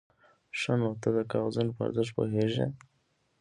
_ښه، نو ته د کاغذونو په ارزښت پوهېږې؟